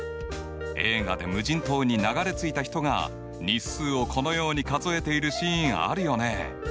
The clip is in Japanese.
映画で無人島に流れ着いた人が日数をこのように数えているシーンあるよね。